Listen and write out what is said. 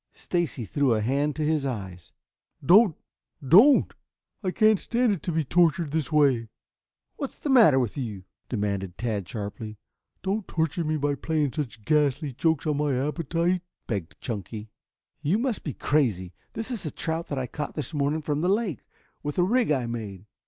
Stacy threw a hand to his eyes. "Don't! Don't! I can't stand it to be tortured this way!" "What's the matter with you?" demanded Tad sharply. "Don't torture me by playing such ghastly jokes on my appetite," begged Chunky. "You must be crazy. This is a trout that I caught this morning from the lake, with a rig I made.